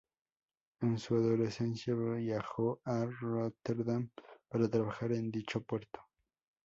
En su adolescencia viajó a Rotterdam para trabajar en dicho puerto.